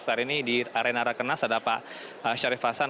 saat ini di arena rakernas ada pak syarif fasan